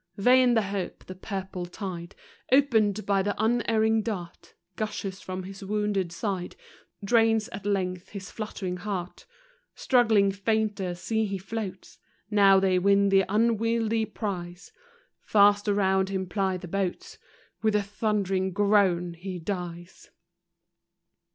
Vain the hope, the purple tide, Opened by the unerring dart, Gushes from his wounded side, Drains at length his fluttering heart. Struggling fainter, see he floats; Now they win th' unwieldy prize ; Fast around him ply the boats;— With a thundering groan he dies.